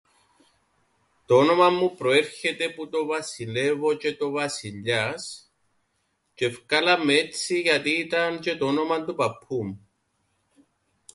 Το όνομαν μου προέρχεται που το βασιλεύω τζ̆αι το βασιλιάς τζ̆αι εφκάλαν με έτσι γιατί ήταν τζ̆αι το όνομαν του παππού μου